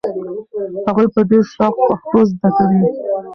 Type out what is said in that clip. هغوی په ډېر شوق پښتو زده کوي.